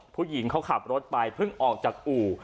ผู้หญิงเขาขับรถไปเพิ่งออกจากอู่